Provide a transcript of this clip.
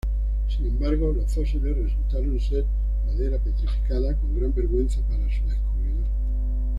Sin embargo los fósiles resultaron ser madera petrificada, con gran vergüenza para su descubridor.